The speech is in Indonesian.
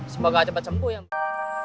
semoga cepat sembuh ya mbak